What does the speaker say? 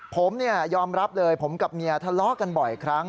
ผมยอมรับเลยผมกับเมียทะเลาะกันบ่อยครั้ง